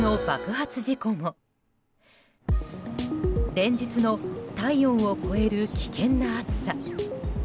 連日の体温を超える危険な暑さ。